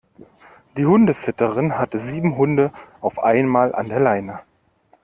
Die Hundesitterin hatte sieben Hunde auf einmal an der Leine.